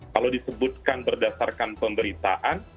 kalau disebutkan berdasarkan pemberitaan